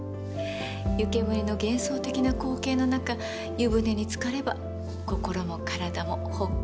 湯煙の幻想的な光景の中湯船につかれば心も体もほっこり。